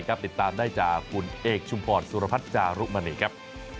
ติดตามได้จากคุณเอกชุมพรสุรพัฒน์จารุมณีครับ